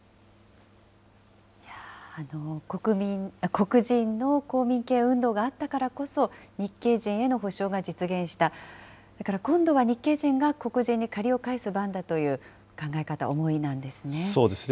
黒人の公民権運動があったからこそ、日系人への補償が実現した、だから今度は日系人が黒人に借りを返す番だという考え方、思いなそうですね。